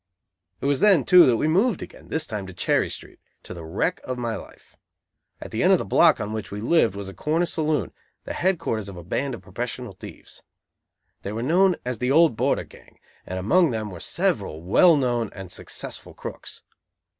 It was then, too, that we moved again, this time to Cherry Street, to the wreck of my life. At the end of the block on which we lived was a corner saloon, the headquarters of a band of professional thieves. They were known as the Old Border Gang, and among them were several very well known and successful crooks.